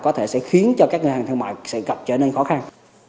có thể sẽ khiến cho các ngân hàng thương mại sẽ gặp trở nên khó khăn